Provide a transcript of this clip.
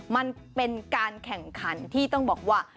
มันเป็นการแข่งขันที่ต้องบอกว่า